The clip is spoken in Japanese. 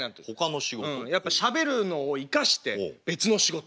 やっぱしゃべるのを生かして別の仕事。